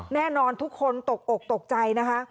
แน่นอนทุกคนตกอกตกใจนะคะ